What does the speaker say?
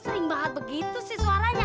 sering banget begitu sih suaranya